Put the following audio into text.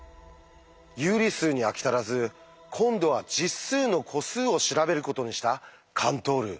有理数に飽き足らず今度は「実数の個数」を調べることにしたカントール。